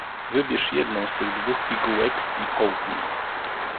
"Wybierz jedną z tych dwóch pigułek i połknij."